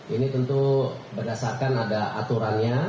ini tentu berdasarkan ada aturannya